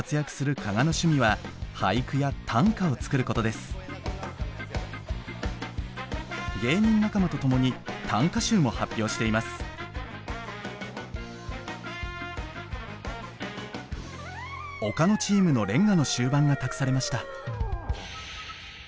岡野チームの連歌の終盤が託されました。